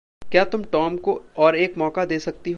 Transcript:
क्या तुम टॉम को और एक मौका दे सकती हो?